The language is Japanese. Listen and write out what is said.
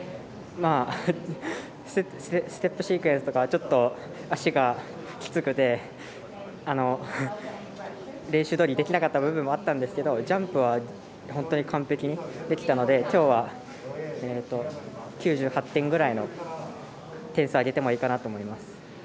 ステップシークエンスとかちょっと、足がきつくて練習どおりできなかった部分もあったんですけどジャンプは本当に完璧にできたのできょうは、９８点ぐらいの点数を上げてもいいかなと思います。